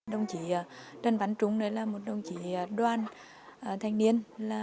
đồng chí trần văn trung là một đồng chí đoàn thanh niên